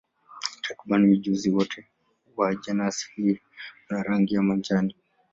Takriban mijusi wote wa jenasi hii wana rangi ya majani.